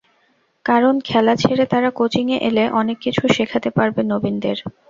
কারণ, খেলা ছেড়ে তাঁরা কোচিংয়ে এলে অনেক কিছু শেখাতে পারবে নবীনদের।